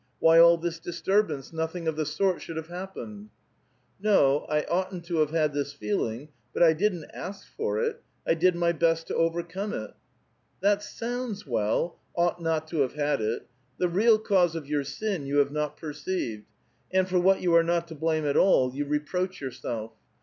Why all this disturb ance ? Nothing of thy sort should have happened !"" No, 1 oughtn't to have had this feeling, but I didn't ask for it ; 1 did my best t) overcome it." '' That sounds well, * ought not to have had it' ! The real cause of your sin you have not perceived ; and, for what you are not to blame at all, you reproach yourself.